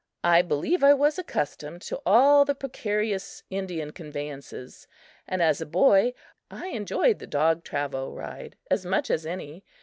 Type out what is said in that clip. I believe I was accustomed to all the precarious Indian conveyances, and, as a boy, I enjoyed the dog travaux ride as much as any.